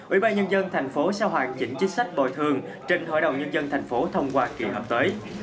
ubnd tp hcm sẽ hoàn chỉnh chính sách bồi thường trên hội đồng nhân dân tp hcm thông qua kỳ hợp tới